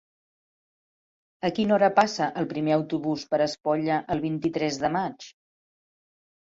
A quina hora passa el primer autobús per Espolla el vint-i-tres de maig?